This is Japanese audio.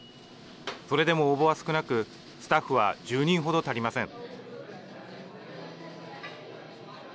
それでも応募は少なくスタッフは１０人程足りません。